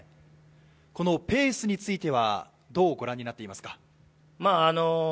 このペースについてはどうご覧になっていますか。